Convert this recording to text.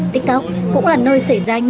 tiktok cũng là nơi xảy ra nhiều bất kỳ vấn đề